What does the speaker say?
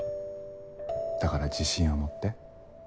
だから自信を持って。